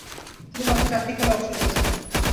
তিনি মাত্র চারটি খেলায় অংশ নিয়েছিলেন।